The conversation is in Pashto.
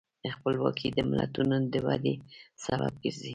خپلواکي د ملتونو د ودې سبب ګرځي.